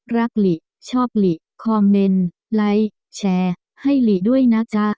หลีชอบหลีคอมเมนต์ไลค์แชร์ให้หลีด้วยนะจ๊ะ